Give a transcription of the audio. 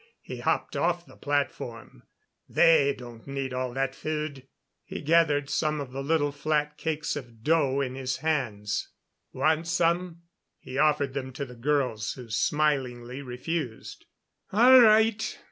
He hopped off the platform. "They don't need all that food." He gathered some of the little flat cakes of dough in his hands. "Want some?" He offered them to the girls, who smilingly refused. "All right.